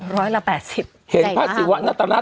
ร้อยละ๘๐เห็นพระสิวะนัตรรัฐ